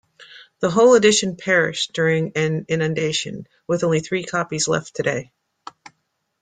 The whole edition perished during an inundation, with only three copies left today.